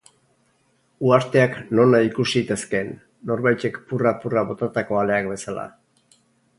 Uharteak nonahi ikus zitezkeen, norbaitek purra-purra botatako aleak bezala.